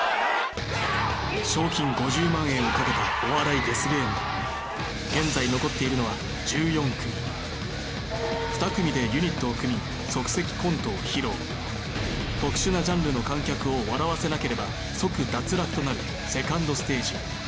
賞金５０万円をかけたお笑いデスゲーム現在残っているのは１４組特殊なジャンルの観客を笑わせなければ即脱落となるセカンドステージ